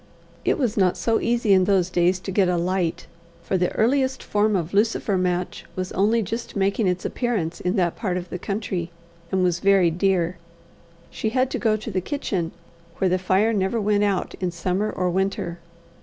It was not so easy in those days to get a light, for the earliest form of lucifer match was only just making its appearance in that part of the country, and was very dear: she had to go to the kitchen, where the fire never went out summer or winter.